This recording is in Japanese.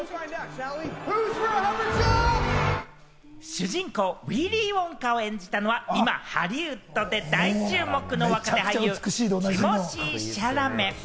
主人公ウィリー・ウォンカを演じたのは、今ハリウッドで大注目の若手俳優、ティモシー・シャラメ。